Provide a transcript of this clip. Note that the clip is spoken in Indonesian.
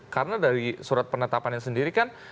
karena dari surat penetapan yang sendiri kan